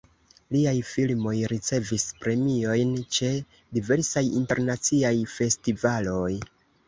Liaj filmoj ricevis premiojn ĉe diversaj internaciaj festivaloj.